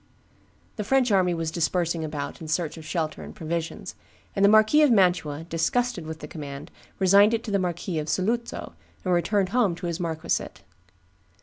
The French army was dispersing about in search of shelter and provisions; and the Marquis of Mantua, disgusted with the command, resigned it to the Marquis of Saluzzo, and returned home to his marquisate.